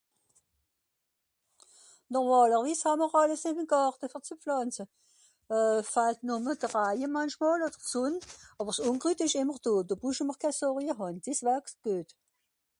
nòrmàlerwiss hànner àlles ìm gàrte fer zu plàntze euh fallt nò nù de raije mànchmòl d'sonn àwer s'ùmkrüt esch ìmmer dò dò brüche mr keh sorje hàn des wächst geut